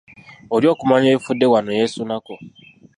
Oli okumanya ebifudde wano yeesunako.